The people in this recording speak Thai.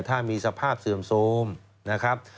ถ้ามีสภาพเสื่อมโทรมนะครับ